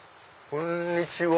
こんにちは。